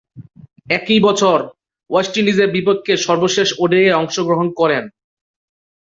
একই বছর ওয়েস্ট ইন্ডিজের বিপক্ষে সর্বশেষ ওডিআইয়ে অংশগ্রহণ করেন।